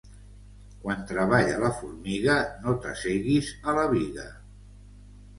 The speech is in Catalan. Quan treballa la formiga no t'asseguis a la biga.